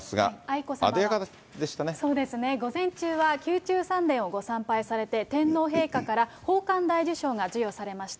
午前中は宮中三殿をご参拝されて、天皇陛下から宝冠大綬章が授与されました。